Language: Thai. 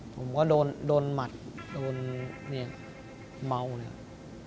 ผมก็โดนหมัดโดนเมียเมานะครับ